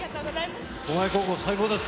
狛江高校、最高です！